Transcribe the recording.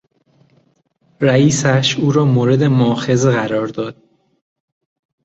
رئیسش او را مورد موآخذه قرار داد.